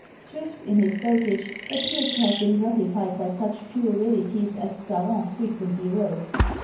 Swift, in his dotage, appears to have been gratified by such puerilities as Scarron frequently wrote.